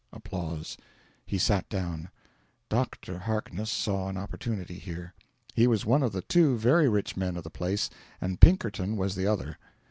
He sat down. "Dr." Harkness saw an opportunity here. He was one of the two very rich men of the place, and Pinkerton was the other.